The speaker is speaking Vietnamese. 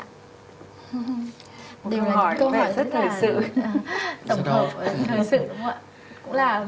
câu hỏi rất hời sự